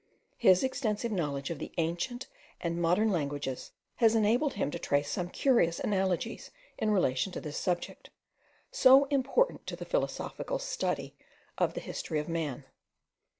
His extensive knowledge of the ancient and modern languages has enabled him to trace some curious analogies in relation to this subject, so important to the philosophical study of the history of man.